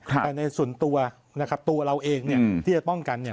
แต่ในส่วนตัวนะครับตัวเราเองเนี่ยที่จะป้องกันเนี่ย